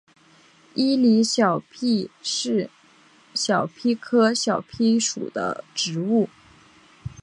伊犁小檗是小檗科小檗属的植物。